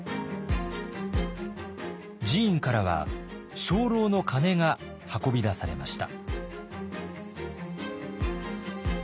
寺院からは鐘楼の鐘が運び出されました。